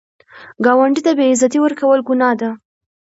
ګاونډي ته بې عزتي ورکول ګناه ده